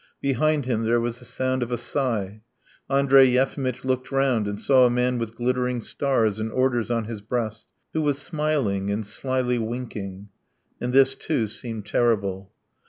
Behind him there was the sound of a sigh. Andrey Yefimitch looked round and saw a man with glittering stars and orders on his breast, who was smiling and slyly winking. And this, too, seemed terrible.